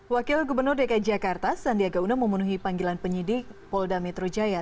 wakil gubernur dki jakarta sandiaga uno memenuhi panggilan penyidik polda metro jaya